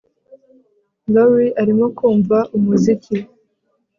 Laurie arimo kumva umuziki